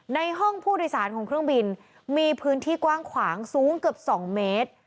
ในห้องผู้โดยสารของเครื่องบินมีพื้นที่กว้างขวางสูงเกือบ๒เมตร